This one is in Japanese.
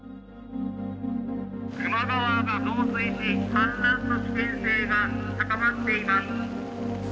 球磨川が増水氾濫の危険性が高まっています。